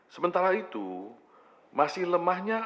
sementara itu masih lemahnya